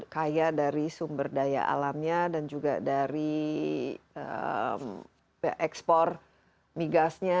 kaya dari sumber daya alamnya dan juga dari ekspor migasnya